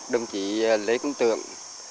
đồng chí lê cung tượng